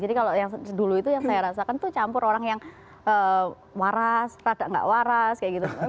jadi kalau yang dulu itu yang saya rasakan itu campur orang yang waras rada enggak waras